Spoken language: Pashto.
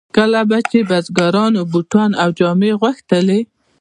کله به چې بزګرانو بوټان او جامې غوښتلې.